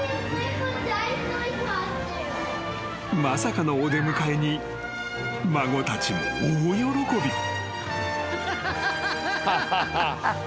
［まさかのお出迎えに孫たちも大喜び］